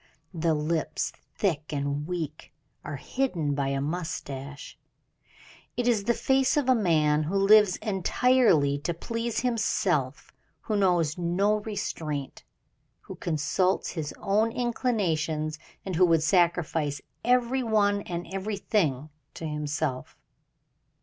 The lips, thick and weak, are hidden by a mustache. It is the face of a man who lives entirely to please himself who knows no restraint who consults his own inclinations, and who would sacrifice every one and everything to himself.